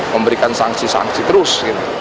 memberikan sanksi sanksi terus